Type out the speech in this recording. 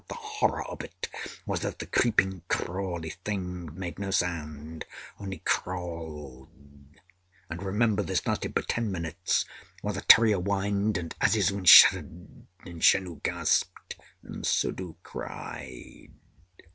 The horror of it was that the creeping, crawly thing made no sound only crawled! And, remember, this lasted for ten minutes, while the terrier whined, and Azizun shuddered, and Janoo gasped, and Suddhoo cried.